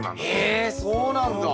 へえそうなんだ。